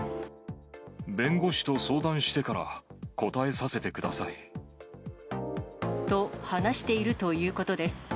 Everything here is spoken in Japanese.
弁護士と相談してから答えさせてください。と話しているということです。